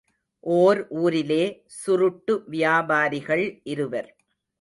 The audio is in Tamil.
ஓர் ஊரிலே சுருட்டு வியாபாரிகள் இருவர்.